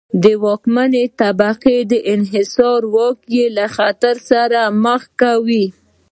د واکمنې طبقې انحصاري واک یې له خطر سره مخ کاوه.